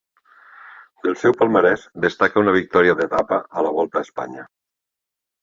Del seu palmarès destaca una victòria d'etapa a la Volta a Espanya.